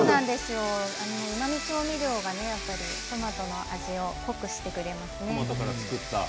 うまみ調味料がトマトの味を濃くしてくれますね。